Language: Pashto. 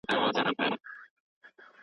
هغه اوس د خپل وقار او درناوي ساتنه کوي.